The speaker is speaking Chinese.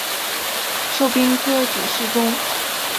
授兵科给事中。